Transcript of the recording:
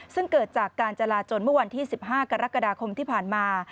ซึ่งเกิดจากการจราจนเมื่อวันที่๑๕กรกฎาคมที่ผ่านมา